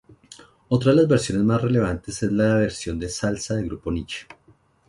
Otra de las versiones más relevantes es la versión salsa del Grupo Niche.